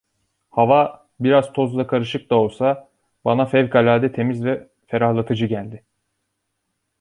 Hava, biraz tozla karışık da olsa, bana fevkalade temiz ve ferahlatıcı geldi.